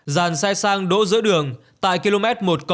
dàn xe sang đỗ giữa đường tại km một năm trăm linh